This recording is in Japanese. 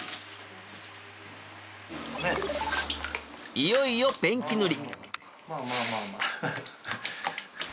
いよいよペンキ塗り！